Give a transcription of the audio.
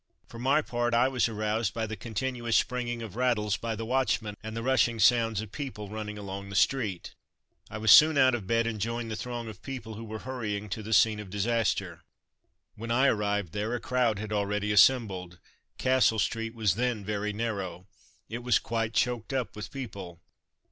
For my part, I was aroused by the continuous springing of rattles by the watchmen, and the rushing sounds of people running along the street. I was soon out of bed and joined the throng of people who were hurrying to the scene of disaster. When I arrived there, a crowd had already assembled. Castle street was then very narrow. It was quite choked up with people.